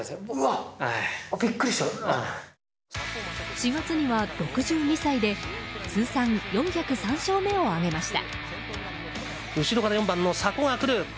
４月には６２歳で通算４０３勝目を挙げました。